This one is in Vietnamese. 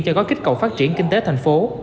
cho gói kích cầu phát triển kinh tế thành phố